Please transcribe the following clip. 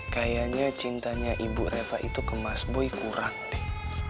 kayaknya cintanya ibu reva itu ke mas boy kurang deh